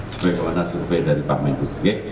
seperti yang diperlukan survei dari pak medu